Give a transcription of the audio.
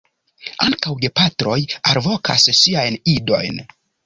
Ankaŭ gepatroj alvokas siajn idojn.